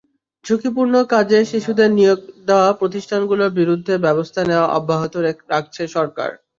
ঝুঁকিপূর্ণ কাজে শিশুদের নিয়োগ দেওয়া প্রতিষ্ঠানগুলোর বিরুদ্ধে ব্যবস্থা নেওয়া অব্যাহত রাখছে সরকার।